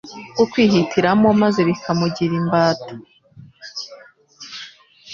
bwo kwihitiramo, maze bikamugira imbata.